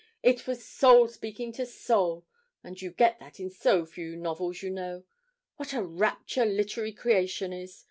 It was soul speaking to soul, and you get that in so few novels, you know! What a rapture literary creation is!